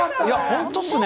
本当っすね。